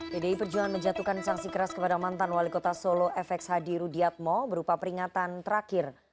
pdi perjuangan menjatuhkan sanksi keras kepada mantan wali kota solo fx hadi rudiatmo berupa peringatan terakhir